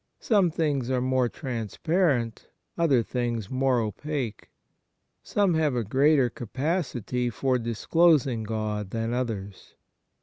Some things are more transparent, other things more opaque. Some have a greater capacity for disclosing God than others.